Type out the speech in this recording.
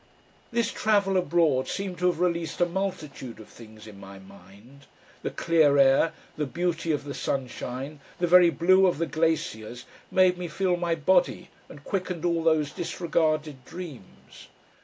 This travel abroad seemed to have released a multitude of things in my mind; the clear air, the beauty of the sunshine, the very blue of the glaciers made me feel my body and quickened all those disregarded dreams.